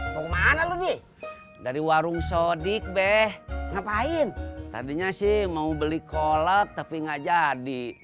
mau mana lu di dari warung sodik be ngapain tadinya sih mau beli kolok tapi nggak jadi